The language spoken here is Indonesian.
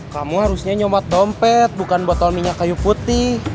kamu harusnya nyomot dompet bukan botol minyak kayu putih